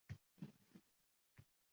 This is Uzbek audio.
Олтин воха